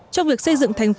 trong việc xây dựng thành công